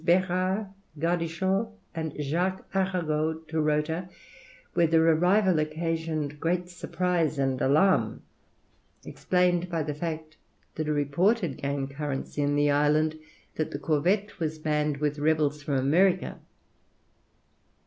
Berard, Gaudichaud, and Jacques Arago to Rota, where their arrival occasioned great surprise and alarm, explained by the fact that a report had gained currency in the island that the corvette was manned with rebels from America.